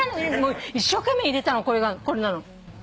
一生懸命入れたのこれなの。